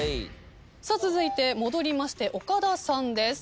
続いて戻りまして岡田さんです。